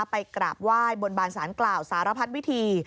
ไปกราบไหว้บนบานสาธารณ์กล่าวสารภัทรวิที